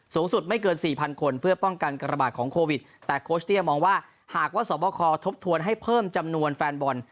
สูงสุดไม่เกินสี่พันคนเพื่อป้องกันการระบาดของโควิดแต่โคชเตี้ยมองว่าหากว่าสวบคอทบทวนให้เพิ่มจำนวนแฟนบอล